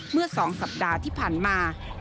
เมื่อ๒สัปดาห์ที่ผ่านมา